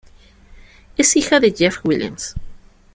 Es hija de Jeff Williams.